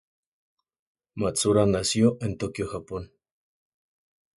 Matsuura nació en Tokio, Japón.